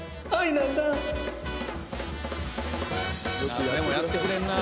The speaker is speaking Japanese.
何でもやってくれんなぁ。